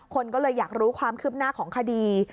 คนก็เลยอยากรู้ความคืบหน้าของคดี